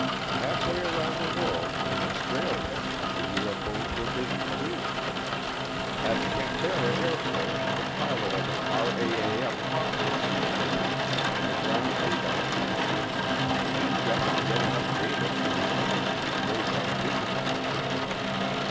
Halfway around the world, in Australia, the UFO's were busy too. At Canberra Airport the pilot of an RAAF Hawker Sea Fury and a ground radar station teamed up to get enough data to make an excellent radar visual report.